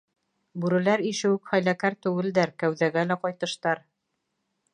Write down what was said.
Бүреләр ише үк хәйләкәр түгелдәр, кәүҙәгә лә ҡайтыштар.